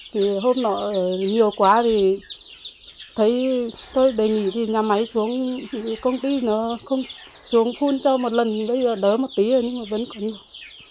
thì hôm nọ nhiều quá thì thấy thôi đề nghị thì nhà máy xuống công ty nó không xuống khuôn cho một lần bây giờ đỡ một tí rồi nhưng mà vẫn có nhiều